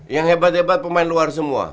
yang hebat hebat pemain luar semua